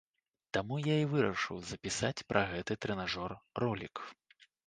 Таму я і вырашыў запісаць пра гэты трэнажор ролік.